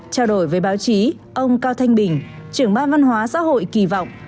trao đổi với báo chí ông cao thanh bình trưởng ban văn hóa xã hội kỳ vọng